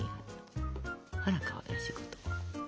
あらかわいらしいこと。